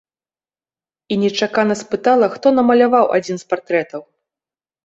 І нечакана спытала, хто намаляваў адзін з партрэтаў.